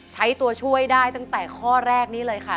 ใช้ตัวช่วยได้ตั้งแต่ข้อแรกนี้เลยค่ะ